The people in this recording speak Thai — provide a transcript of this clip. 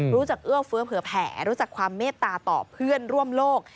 เอื้อเฟื้อเผื่อแผ่รู้จักความเมตตาต่อเพื่อนร่วมโลก